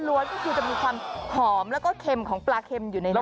้วนก็คือจะมีความหอมแล้วก็เค็มของปลาเค็มอยู่ในน้ำ